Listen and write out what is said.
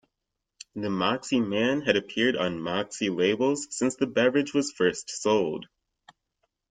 The Moxie Man had appeared on Moxie labels since the beverage was first sold.